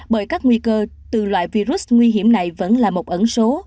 bởi các nguy cơ từ loại virus nguy hiểm này vẫn là một ẩn số